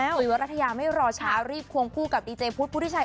จุ๋ยวรัฐยาไม่รอช้ารีบควงคู่กับดีเจพุทธพุทธิชัย